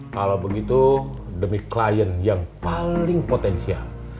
kalau begitu demi klien yang paling potensial